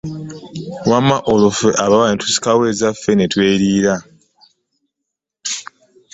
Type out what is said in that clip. Wamma olwo ffe abawala netusiikawo ezafe, netwelira.